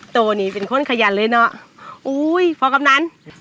โตนี่เป็นคนขยันเลยนะอุ้ยพอครั้งนั้น